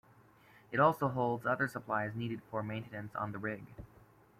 It also holds other supplies needed for maintenance on the rig.